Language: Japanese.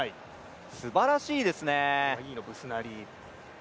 すばらしいですね。